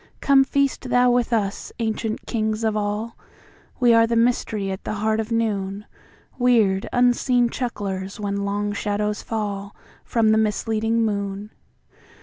Come feast thou with us; ancient kings of all, We are the mystery at the heart of noon, Weird unseen chucklers when long shadows fallFrom the misleading moon.